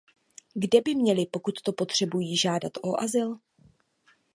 Kde by měli, pokud to potřebují, žádat o azyl?